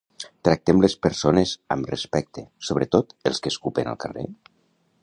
Tractem les persones amb respecte, sobretot els que escupen al carrer?